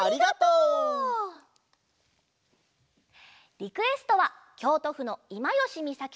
リクエストはきょうとふのいまよしみさき